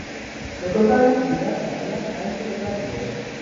بگذار این رویداد برایت درس عبرتی باشد!